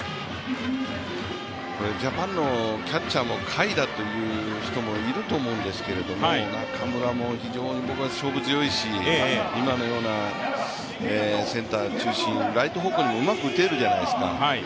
ジャパンのキャッチャーも甲斐だという人もいると思うんですけど、中村も非常に、勝負強いし今のようなセンター中心、ライト方向にもうまく打てるじゃないですか。